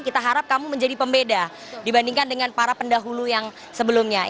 kita harap kamu menjadi pembeda dibandingkan dengan para pendahulu yang sebelumnya